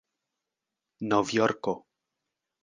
novjorko